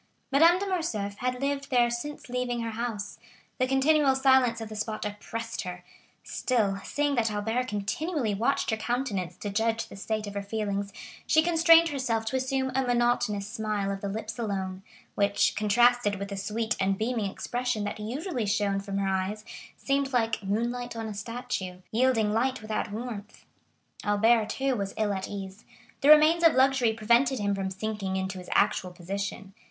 Madame de Morcerf had lived there since leaving her house; the continual silence of the spot oppressed her; still, seeing that Albert continually watched her countenance to judge the state of her feelings, she constrained herself to assume a monotonous smile of the lips alone, which, contrasted with the sweet and beaming expression that usually shone from her eyes, seemed like "moonlight on a statue,"—yielding light without warmth. Albert, too, was ill at ease; the remains of luxury prevented him from sinking into his actual position.